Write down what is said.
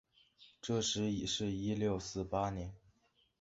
这时已是一六四八年。